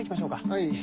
はい。